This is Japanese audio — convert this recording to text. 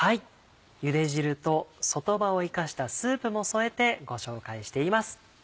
ゆで汁と外葉を生かしたスープも添えてご紹介しています。